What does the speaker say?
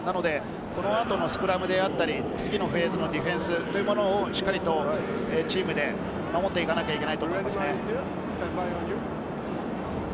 この後のスクラムであったり、次のフェーズのディフェンスをしっかりとチームで守っていかなければいけないと思います。